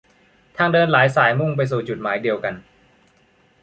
ทางเดินหลายสายมุ่งไปสู่จุดหมายเดียวกัน